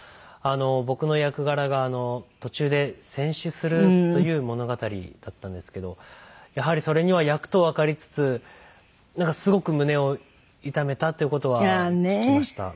僕の役柄が途中で戦死するという物語だったんですけどやはりそれには役とわかりつつなんかすごく胸を痛めたという事は聞きました。